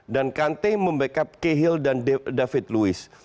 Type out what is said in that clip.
dan kante membackup kehil dan david luiz